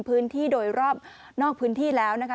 พื้นที่โดยรอบนอกพื้นที่แล้วนะคะ